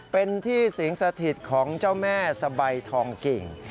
เป็นที่สิงสถิตของเจ้าแม่สะใบทองกิ่ง